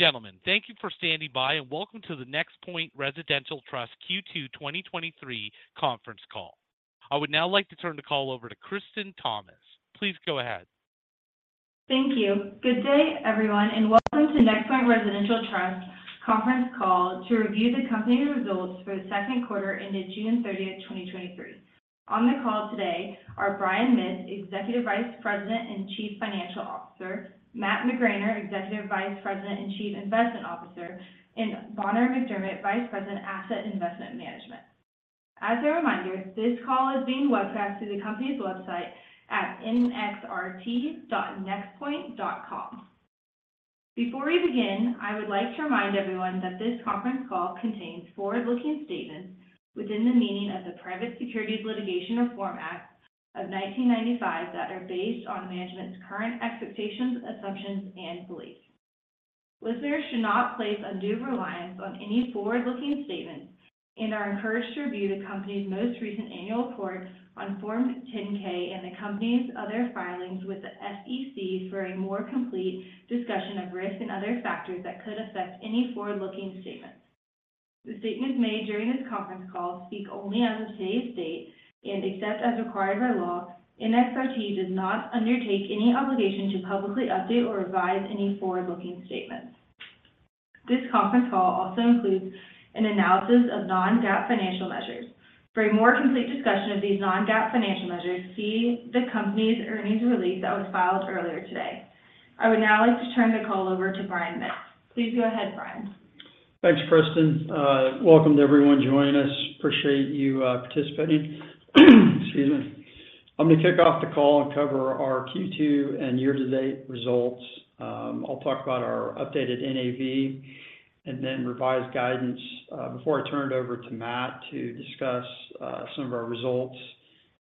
Ladies and gentlemen, thank you for standing by, and welcome to the NexPoint Residential Trust Q2 2023 conference call. I would now like to turn the call over to Kristen Thomas. Please go ahead. Thank you. Good day, everyone, welcome to NexPoint Residential Trust conference call to review the company's results for the second quarter ended June thirtieth, 2023. On the call today are Brian Mitts, Executive Vice President and Chief Financial Officer, Matt McGraner, Executive Vice President and Chief Investment Officer, and Bonner McDermett, Vice President, Asset Investment Management. As a reminder, this call is being webcast through the company's website at nxrt.nexpoint.com. Before we begin, I would like to remind everyone that this conference call contains forward-looking statements within the meaning of the Private Securities Litigation Reform Act of 1995, that are based on management's current expectations, assumptions, and beliefs. Listeners should not place undue reliance on any forward-looking statements and are encouraged to review the company's most recent annual report on Form 10-K, and the company's other filings with the SEC for a more complete discussion of risks and other factors that could affect any forward-looking statements. Except as required by law, NXRT does not undertake any obligation to publicly update or revise any forward-looking statements. This conference call also includes an analysis of non-GAAP financial measures. For a more complete discussion of these non-GAAP financial measures, see the company's earnings release that was filed earlier today. I would now like to turn the call over to Brian Mitts. Please go ahead, Brian. Thanks, Kristen. Welcome to everyone joining us. Appreciate you participating. Excuse me. I'm gonna kick off the call and cover our Q2 and year-to-date results. I'll talk about our updated NAV and then revised guidance before I turn it over to Matt to discuss some of our results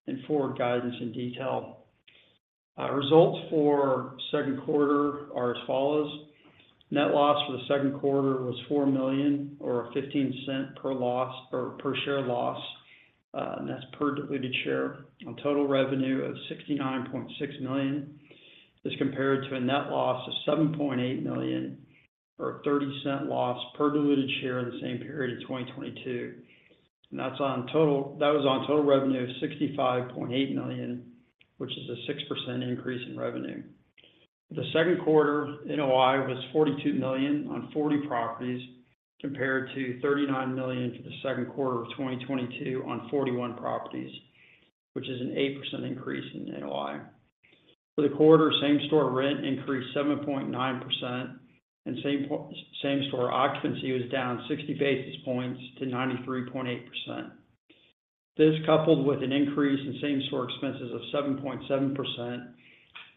and forward guidance in detail. Results for second quarter are as follows: Net loss for the second quarter was $4 million or $0.15 per share loss, and that's per diluted share on total revenue of $69.6 million. This compared to a net loss of $7.8 million, or a $0.30 loss per diluted share in the same period of 2022. That was on total revenue of $65.8 million, which is a 6% increase in revenue. The second quarter NOI was $42 million on 40 properties, compared to $39 million for the second quarter of 2022 on 41 properties, which is an 8% increase in NOI. For the quarter, same-store rent increased 7.9%, and same-store occupancy was down 60 basis points to 93.8%. This, coupled with an increase in same-store expenses of 7.7%,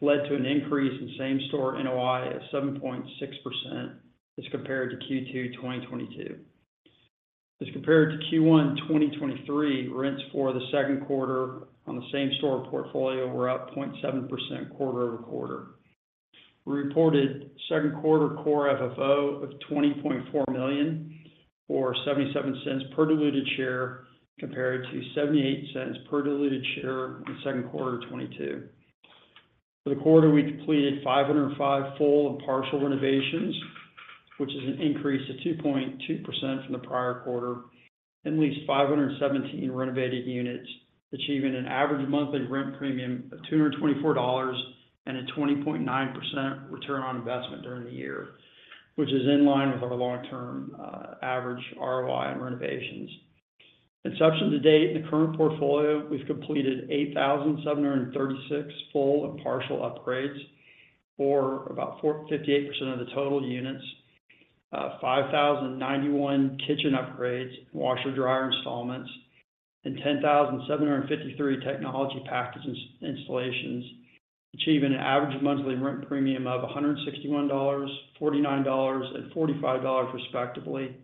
led to an increase in same-store NOI of 7.6% as compared to Q2 2022. As compared to Q1 2023, rents for the second quarter on the same-store portfolio were up 0.7% quarter-over-quarter. We reported second quarter Core FFO of $20.4 million, or $0.77 per diluted share, compared to $0.78 per diluted share in the second quarter of 2022. For the quarter, we completed 505 full and partial renovations, which is an increase of 2.2% from the prior quarter, and leased 517 renovated units, achieving an average monthly rent premium of $224 and a 20.9% return on investment during the year, which is in line with our long-term average ROI on renovations. In substance to date, in the current portfolio, we've completed 8,736 full and partial upgrades, for about 58% of the total units, 5,091 kitchen upgrades, washer/dryer installments, and 10,753 technology package installations, achieving an average monthly rent premium of $161, $49, and $45, respectively,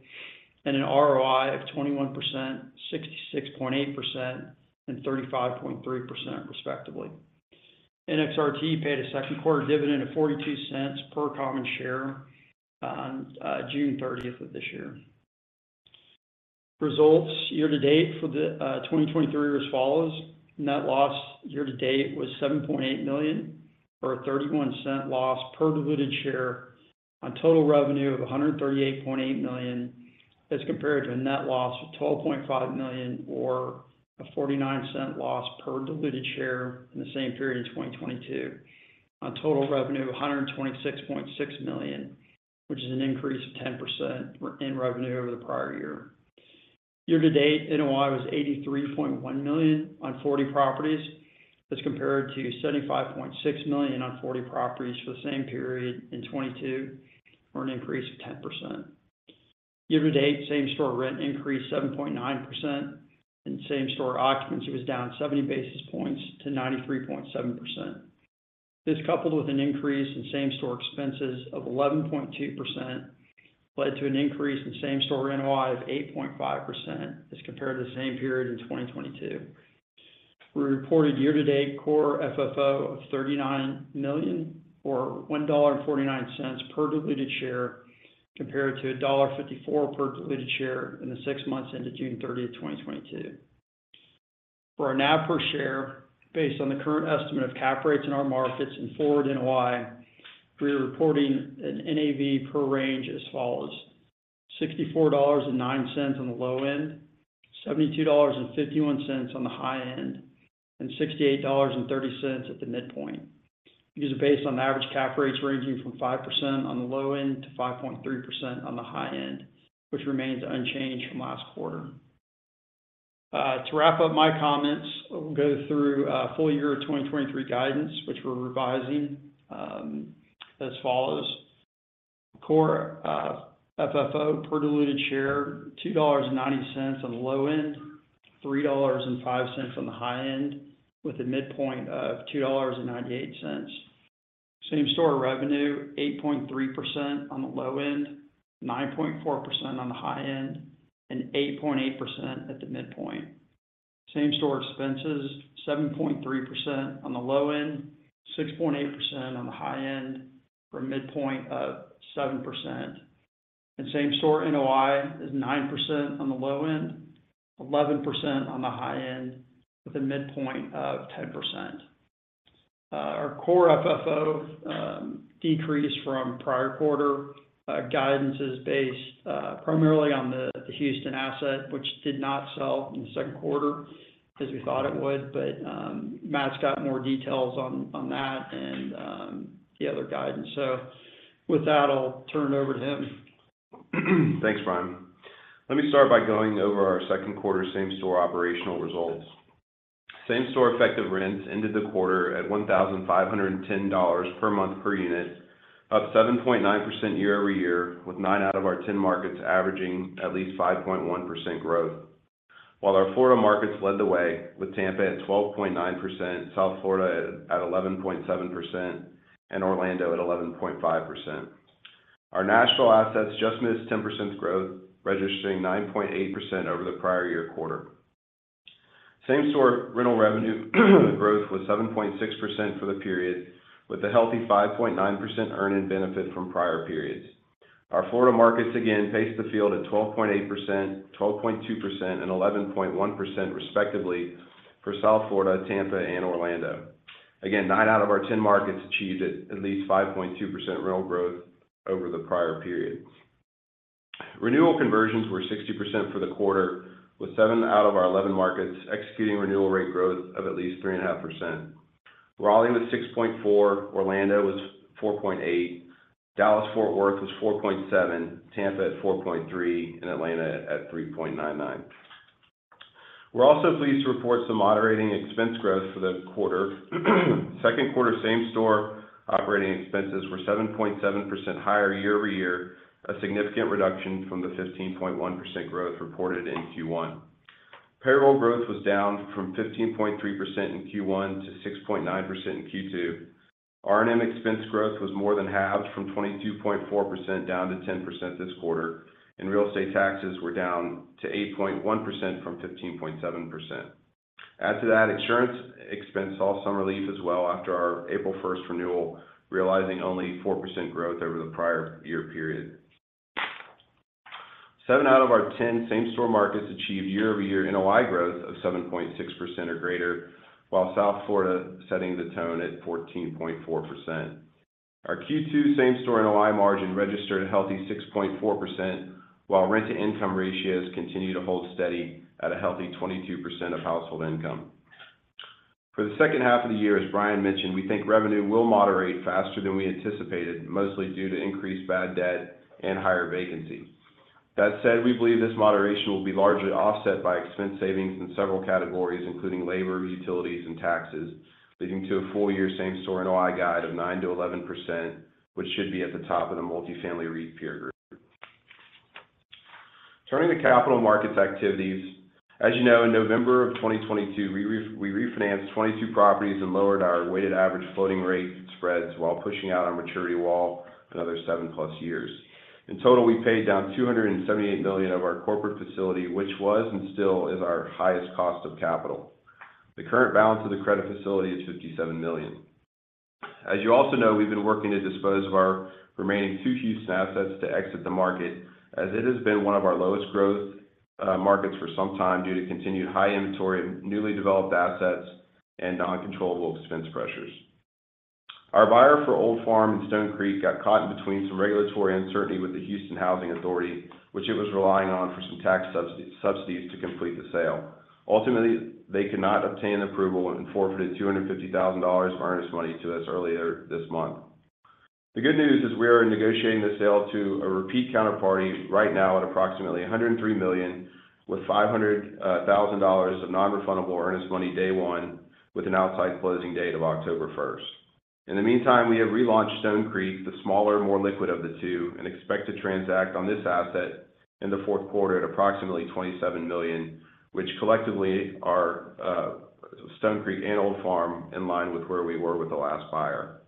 and an ROI of 21%, 66.8%, and 35.3%, respectively. NXRT paid a second quarter dividend of $0.42 per common share on June thirtieth of this year. Results year to date for 2023 are as follows: Net loss year to date was $7.8 million or a $0.31 loss per diluted share on total revenue of $138.8 million, as compared to a net loss of $12.5 million, or a $0.49 loss per diluted share in the same period in 2022, on total revenue of $126.6 million, which is an increase of 10% in revenue over the prior year. Year to date, NOI was $83.1 million on 40 properties, as compared to $75.6 million on 40 properties for the same period in 2022, or an increase of 10%. Year-to-date, same-store rent increased 7.9%, and same-store occupancy was down 70 basis points to 93.7%. This, coupled with an increase in same-store expenses of 11.2%, led to an increase in same-store NOI of 8.5% as compared to the same period in 2022. We reported year to date Core FFO of $39 million or $1.49 per diluted share, compared to $1.54 per diluted share in the six months into June 30, 2022. For our NAV per share, based on the current estimate of cap rates in our markets and forward NOI, we are reporting an NAV per range as follows: $64.09 on the low end, $72.51 on the high end, and $68.30 at the midpoint. These are based on average cap rates ranging from 5% on the low end to 5.3% on the high end, which remains unchanged from last quarter. To wrap up my comments, we'll go through full-year 2023 guidance, which we're revising as follows: Core FFO per diluted share, $2.90 on the low end, $3.05 on the high end, with a midpoint of $2.98. Same-store revenue, 8.3% on the low end, 9.4% on the high end, and 8.8% at the midpoint. Same-store expenses, 7.3% on the low end, 6.8% on the high end, for a midpoint of 7%. Same-store NOI is 9% on the low end, 11% on the high end, with a midpoint of 10%. Our Core FFO decreased from prior quarter. Guidance is based primarily on the Houston asset, which did not sell in the second quarter as we thought it would, but Matt's got more details on that and the other guidance. With that, I'll turn it over to him. Thanks, Brian. Let me start by going over our second quarter same-store operational results. Same-store effective rents ended the quarter at $1,510 per month per unit, up 7.9% year-over-year, with nine out of our 10 markets averaging at least 5.1% growth. Our Florida markets led the way, with Tampa at 12.9%, South Florida at 11.7%, and Orlando at 11.5%. Our national assets just missed 10% growth, registering 9.8% over the prior year quarter. Same-store rental revenue growth was 7.6% for the period, with a healthy 5.9% earn in benefit from prior periods. Our Florida markets again paced the field at 12.8%, 12.2%, and 11.1% respectively for South Florida, Tampa, and Orlando. Again, 9 out of our 10 markets achieved at least 5.2% rental growth over the prior periods. Renewal conversions were 60% for the quarter, with 7 out of our 11 markets executing renewal rate growth of at least 3.5%. Raleigh was 6.4%, Orlando was 4.8%, Dallas Fort Worth was 4.7%, Tampa at 4.3%, and Atlanta at 3.99%. We're also pleased to report some moderating expense growth for the quarter. Second quarter same-store operating expenses were 7.7% higher year-over-year, a significant reduction from the 15.1% growth reported in Q1. Payroll growth was down from 15.3% in Q1 to 6.9% in Q2. R&M expense growth was more than halved from 22.4% down to 10% this quarter. Real estate taxes were down to 8.1% from 15.7%. Add to that, insurance expense saw some relief as well after our April first renewal, realizing only 4% growth over the prior year period. Seven out of our 10 same-store markets achieved year-over-year NOI growth of 7.6% or greater, while South Florida setting the tone at 14.4%. Our Q2 same-store NOI margin registered a healthy 6.4%, while rent-to-income ratios continue to hold steady at a healthy 22% of household income. For the second half of the year, as Brian mentioned, we think revenue will moderate faster than we anticipated, mostly due to increased bad debt and higher vacancy. That said, we believe this moderation will be largely offset by expense savings in several categories, including labor, utilities, and taxes, leading to a full-year same-store NOI guide of 9%-11%, which should be at the top of the multifamily REIT peer group. Turning to capital markets activities. As you know, in November of 2022, we refinanced 22 properties and lowered our weighted average floating rate spreads while pushing out our maturity wall another 7+ years. In total, we paid down $278 million of our corporate facility, which was and still is our highest cost of capital. The current balance of the credit facility is $57 million. As you also know, we've been working to dispose of our remaining two Houston assets to exit the market, as it has been one of our lowest growth markets for some time due to continued high inventory, newly developed assets, and non-controllable expense pressures. Our buyer for Old Farm and Stone Creek got caught in between some regulatory uncertainty with the Houston Housing Authority, which it was relying on for some tax subsidies to complete the sale. Ultimately, they could not obtain approval and forfeited $250,000 of earnest money to us earlier this month. The good news is we are negotiating the sale to a repeat counterparty right now at approximately $103 million, with $500,000 of non-refundable earnest money, day one, with an outside closing date of October first. In the meantime, we have relaunched Stone Creek, the smaller, more liquid of the two, and expect to transact on this asset in the fourth quarter at approximately $27 million, which collectively are Stone Creek and Old Farm, in line with where we were with the last buyer.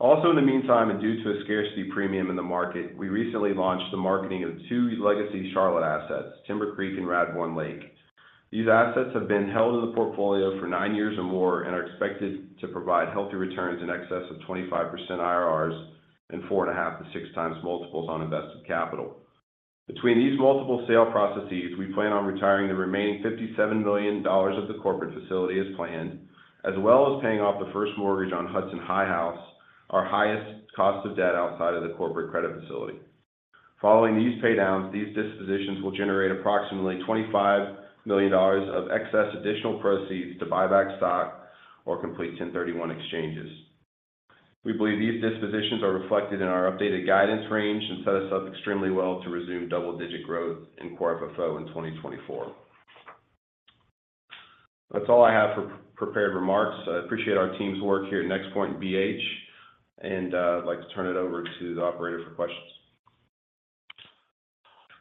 In the meantime, and due to a scarcity premium in the market, we recently launched the marketing of two legacy Charlotte assets, Timber Creek and Radbourne Lake. These assets have been held in the portfolio for nine years or more and are expected to provide healthy returns in excess of 25% IRRs and 4.5x-6x multiples on invested capital. Between these multiple sale processes, we plan on retiring the remaining $57 million of the corporate facility as planned, as well as paying off the first mortgage on Hudson High House, our highest cost of debt outside of the corporate credit facility. Following these pay downs, these dispositions will generate approximately $25 million of excess additional proceeds to buy back stock or complete 1031 exchanges. We believe these dispositions are reflected in our updated guidance range and set us up extremely well to resume double-digit growth in Core FFO in 2024. That's all I have for prepared remarks. I appreciate our team's work here at NexPoint BH, I'd like to turn it over to the operator for questions.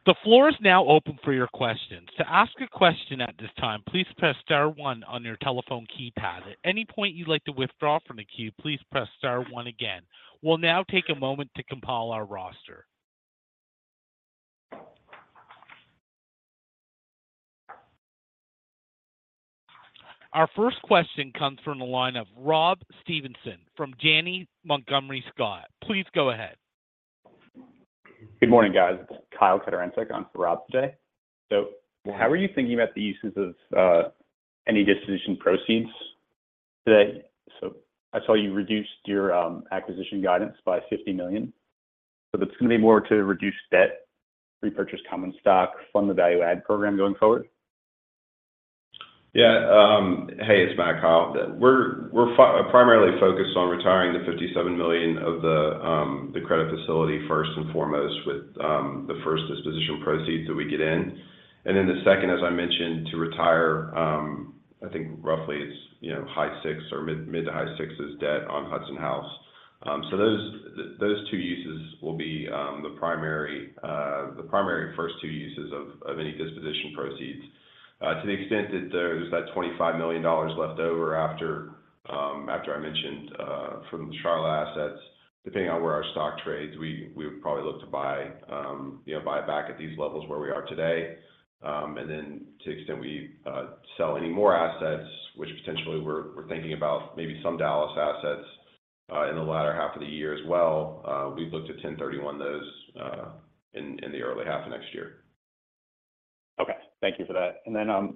The floor is now open for your questions. To ask a question at this time, please press star one on your telephone keypad. At any point you'd like to withdraw from the queue, please press star one again. We'll now take a moment to compile our roster. Our first question comes from the line of Rob Stevenson from Janney Montgomery Scott. Please go ahead. Good morning, guys. It's Kyle Katorincek on for Rob today. How are you thinking about the uses of any disposition proceeds today? I saw you reduced your acquisition guidance by $50 million, so that's going to be more to reduce debt, repurchase common stock, fund the value add program going forward? Hey, it's Matt Kyle. We're primarily focused on retiring the $57 million of the credit facility first and foremost with the first disposition proceeds that we get in. The second, as I mentioned, to retire, I think roughly it's, you know, high six or mid to high six is debt on Hudson House. Those two uses will be the primary first two uses of any disposition proceeds. To the extent that there's that $25 million left over after I mentioned, from the Charlotte assets, depending on where our stock trades, we would probably look to buy, you know, buy back at these levels where we are today. To the extent we sell any more assets, which potentially we're thinking about maybe some Dallas assets in the latter half of the year as well, we've looked at 1031 those in the early half of next year. Okay. Thank you for that. Then,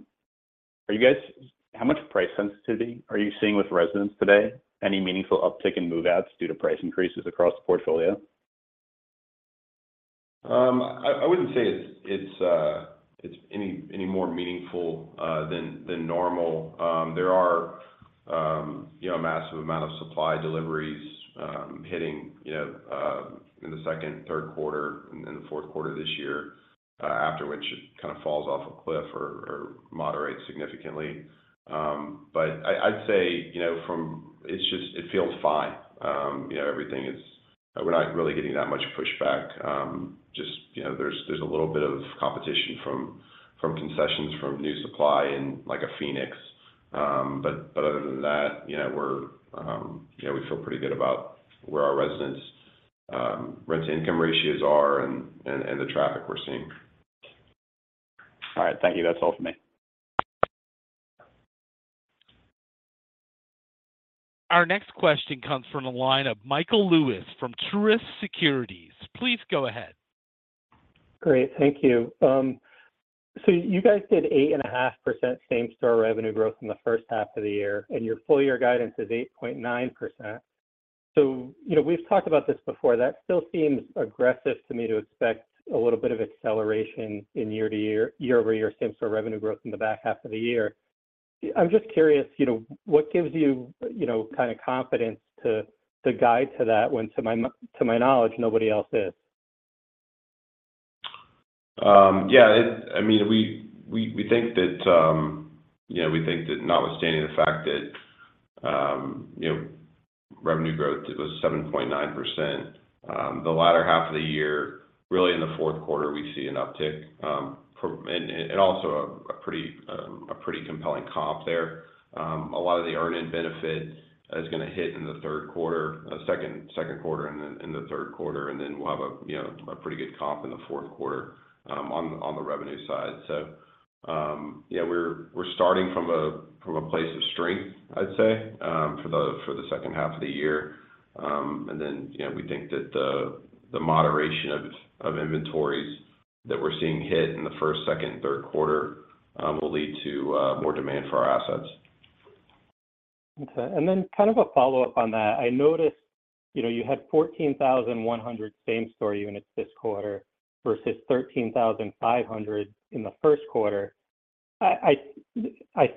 how much price sensitivity are you seeing with residents today? Any meaningful uptick in move-outs due to price increases across the portfolio? I wouldn't say it's any more meaningful than normal. There are, you know, a massive amount of supply deliveries, hitting, you know, in the second, third quarter and in the fourth quarter this year, after which it kind of falls off a cliff or moderates significantly. I'd say, you know, from... It's just, it feels fine. You know, everything is we're not really getting that much pushback. Just, you know, there's a little bit of competition from concessions, from new supply in, like, a Phoenix. Other than that, you know, we're, you know, we feel pretty good about where our residents, rent-to-income ratios are and the traffic we're seeing. All right. Thank you. That's all for me. Our next question comes from the line of Michael Lewis from Truist Securities. Please go ahead. Great. Thank you. You guys did 8.5% same-store revenue growth in the first half of the year, and your full-year guidance is 8.9%. You know, we've talked about this before. That still seems aggressive to me to expect a little bit of acceleration in year to year-over-year same-store revenue growth in the back half of the year. I'm just curious, you know, what gives you know, kind of confidence to guide to that, when, to my knowledge, nobody else is? Yeah, I mean, we think that, you know, we think that notwithstanding the fact that, you know, revenue growth was 7.9%, the latter half of the year, really in the fourth quarter, we see an uptick from, and also a pretty compelling comp there. A lot of the earn in benefit is going to hit in the third quarter, second quarter and then in the third quarter, and then we'll have a, you know, a pretty good comp in the fourth quarter on the revenue side. Yeah, we're starting from a place of strength, I'd say, for the second half of the year. You know, we think that the moderation of inventories that we're seeing hit in the first, second, and third quarter, will lead to more demand for our assets. Okay. Then kind of a follow-up on that. I noticed, you know, you had 14,100 same-store units this quarter versus 13,500 in the first quarter. I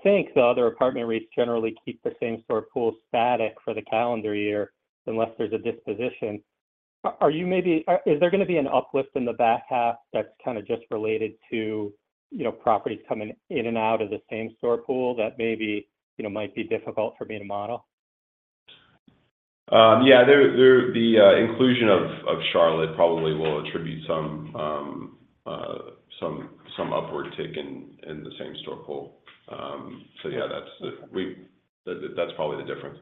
think the other apartment REITs generally keep the same store pool static for the calendar year unless there's a disposition. Is there going to be an uplift in the back half that's kind of just related to, you know, properties coming in and out of the same store pool that maybe, you know, might be difficult for me to model? Yeah, there, the inclusion of Charlotte probably will attribute some upward tick in the same store pool. Yeah, that's probably the difference.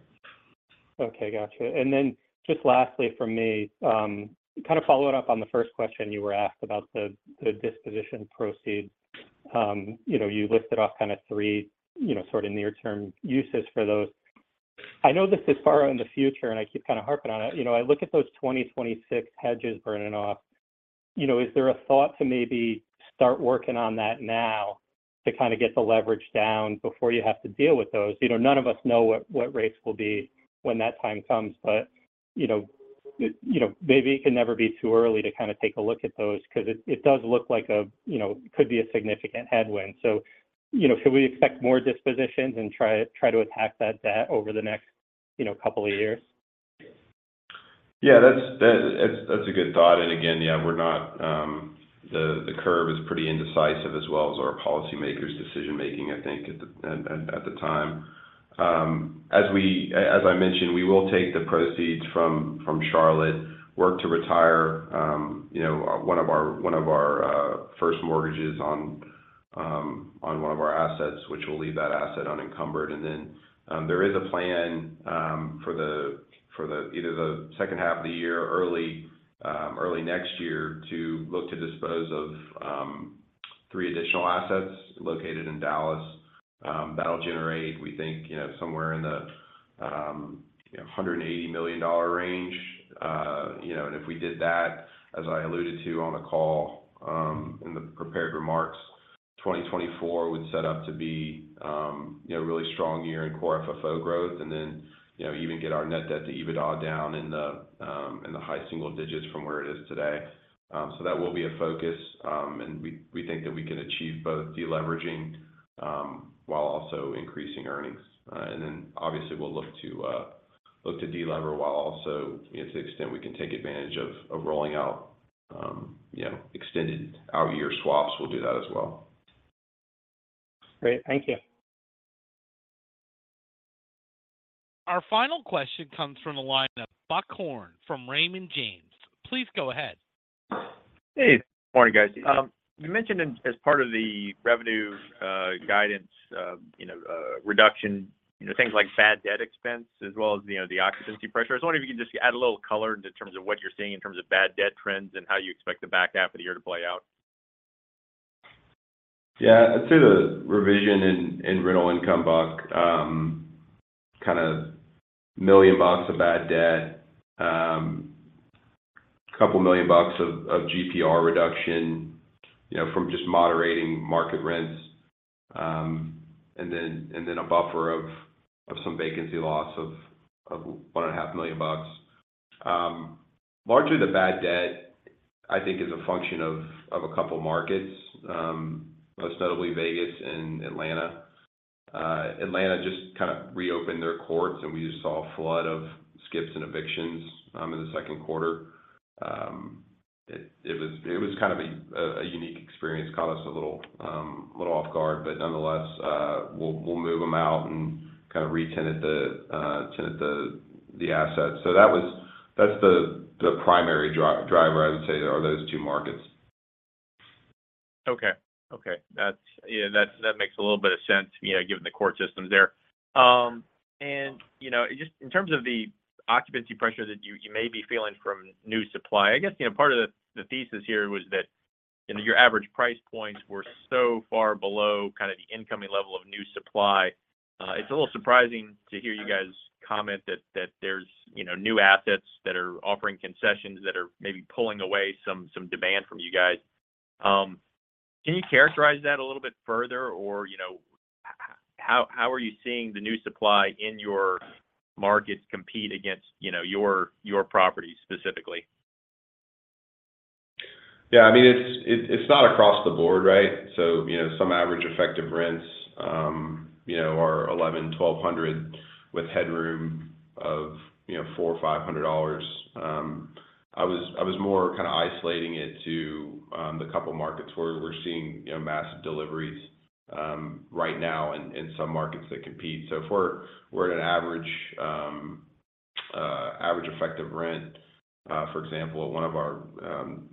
Okay, gotcha. Just lastly from me, kind of following up on the first question you were asked about the disposition proceeds. You know, you listed off kind of three, you know, sort of near-term uses for those. I know this is far in the future, and I keep kind of harping on it. You know, I look at those 2026 hedges burning off. You know, is there a thought to maybe start working on that now to kind of get the leverage down before you have to deal with those? You know, none of us know what rates will be when that time comes, but, you know, maybe it can never be too early to kind of take a look at those because it does look like a, you know, could be a significant headwind. You know, should we expect more dispositions and try to attack that debt over the next, you know, couple of years? Yeah, that's a good thought. Again, yeah, we're not, the curve is pretty indecisive as well as our policymakers' decision making, I think, at the time. As I mentioned, we will take the proceeds from Charlotte, work to retire, you know, one of our first mortgages on one of our assets, which will leave that asset unencumbered. Then, there is a plan for either the second half of the year or early next year, to look to dispose of three additional assets located in Dallas. That'll generate, we think, you know, somewhere in the $180 million range. You know, if we did that, as I alluded to on the call, in the prepared remarks, 2024 would set up to be, you know, a really strong year in Core FFO growth and then, you know, even get our net debt to EBITDA down in the high single digits from where it is today. That will be a focus, and we think that we can achieve both deleveraging while also increasing earnings. Obviously, we'll look to delever, while also, you know, to the extent we can take advantage of rolling out, you know, extended out year swaps, we'll do that as well. Great. Thank you. Our final question comes from the line of Buck Horne from Raymond James. Please go ahead. Hey, morning, guys. You mentioned as part of the revenue guidance, you know, reduction, you know, things like bad debt expense as well as, you know, the occupancy pressure. I was wondering if you can just add a little color in terms of what you're seeing in terms of bad debt trends and how you expect the back half of the year to play out. I'd say the revision in rental income, Buck, kinda $1 million bucks of bad debt, a couple million bucks of GPR reduction, you know, from just moderating market rents, and then a buffer of some vacancy loss of $1.5 million bucks. Largely the bad debt, I think, is a function of a couple markets, most notably Vegas and Atlanta. Atlanta just kind of reopened their courts, and we just saw a flood of skips and evictions in the second quarter. It was kind of a unique experience, caught us a little off guard, but nonetheless, we'll move them out and kind of re-tenant the assets. That was... That's the primary driver, I would say, are those two markets. Okay. Okay. That's, yeah, that makes a little bit of sense, you know, given the court systems there. you know, just in terms of the occupancy pressure that you may be feeling from new supply, I guess, you know, part of the thesis here was that, you know, your average price points were so far below kind of the incoming level of new supply. It's a little surprising to hear you guys comment that there's, you know, new assets that are offering concessions that are maybe pulling away some demand from you guys. Can you characterize that a little bit further? how are you seeing the new supply in your markets compete against, you know, your properties specifically? Yeah, I mean, it's not across the board, right? You know, some average effective rents, you know, are $1,100-$1,200, with headroom of, you know, $400-$500. I was, I was more kind of isolating it to the couple markets where we're seeing, you know, massive deliveries right now in some markets that compete. If we're at an average average effective rent, for example, at one of our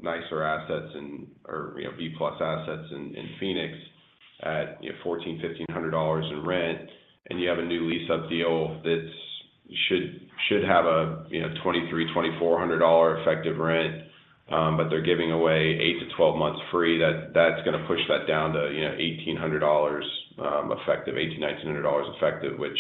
nicer assets and, or, you know, B+ assets in Phoenix at, you know, $1,400-$1,500 in rent, and you have a new lease-up deal that should have a, you know, $2,300-$2,400 effective rent, but they're giving away 8-12 months free, that's gonna push that down to, you know, $1,800 effective. $1,800-$1,900 effective, which,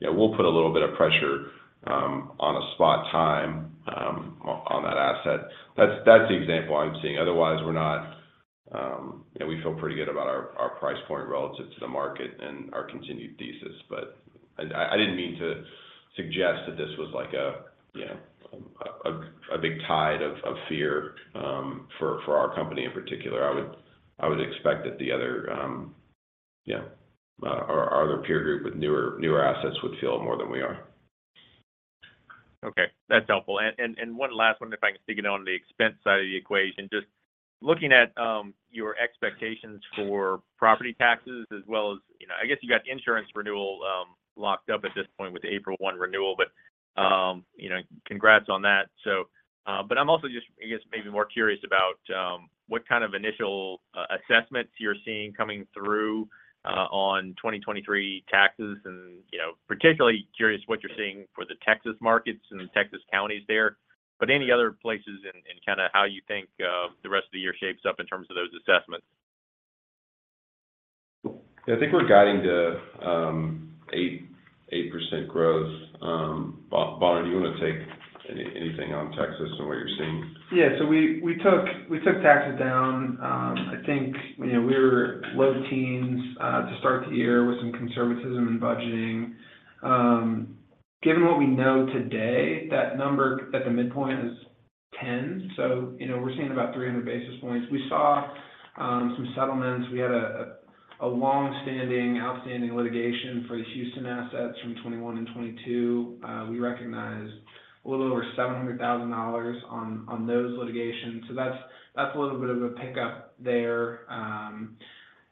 you know, will put a little bit of pressure on a spot time on that asset. That's the example I'm seeing. Otherwise, we're not. You know, we feel pretty good about our price point relative to the market and our continued thesis. I didn't mean to suggest that this was like a, you know, a big tide of fear for our company in particular. I would expect that the other peer group with newer assets would feel it more than we are. Okay, that's helpful. One last one, if I can dig in on the expense side of the equation. Just looking at your expectations for property taxes as well as, you know, I guess you got insurance renewal locked up at this point with the April first renewal, but, you know, congrats on that. But I'm also just, I guess, maybe more curious about what kind of initial assessments you're seeing coming through on 2023 taxes. You know, particularly curious what you're seeing for the Texas markets and Texas counties there, but any other places and kinda how you think the rest of the year shapes up in terms of those assessments? I think we're guiding to 8% growth. Bonner, do you want to take anything on Texas and what you're seeing? We took taxes down. I think, you know, we were low teens to start the year with some conservatism in budgeting. Given what we know today, that number at the midpoint is 10. You know, we're seeing about 300 basis points. We saw some settlements. We had a long-standing, outstanding litigation for the Houston assets from 2021 and 2022. We recognized a little over $700,000 on those litigations, so that's a little bit of a pickup there.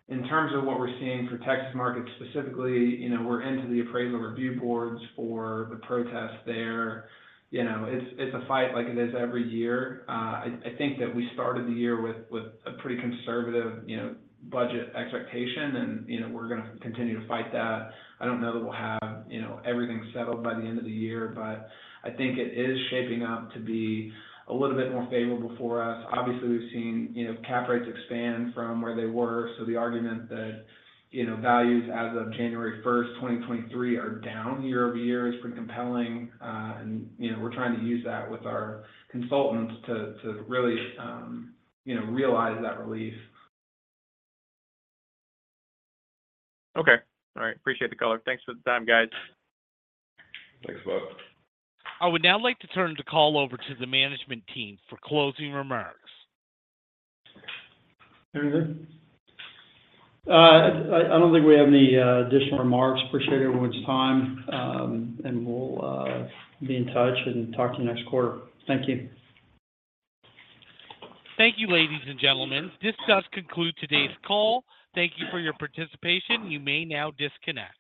In terms of what we're seeing for Texas markets specifically, you know, we're into the appraisal review boards for the protest there. You know, it's a fight like it is every year. I think that we started the year with a pretty conservative, you know, budget expectation, and, you know, we're gonna continue to fight that. I don't know that we'll have, you know, everything settled by the end of the year, but I think it is shaping up to be a little bit more favorable for us. Obviously, we've seen, you know, cap rates expand from where they were, so the argument that, you know, values as of January 1, 2023 are down year-over-year is pretty compelling. You know, we're trying to use that with our consultants to really, you know, realize that relief. Okay. All right. Appreciate the color. Thanks for the time, guys. Thanks, folks. I would now like to turn the call over to the management team for closing remarks. Very good. I don't think we have any additional remarks. Appreciate everyone's time. We'll be in touch and talk to you next quarter. Thank you. Thank you, ladies and gentlemen. This does conclude today's call. Thank you for your participation. You may now disconnect.